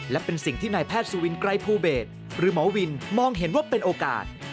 และเป็นสิ่งที่นายแพทย์สุวินไกรภูเบศหรือหมอวินมองเห็นว่าเป็นโอกาส